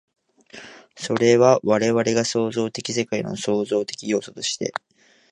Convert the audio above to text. それは我々が創造的世界の創造的要素として、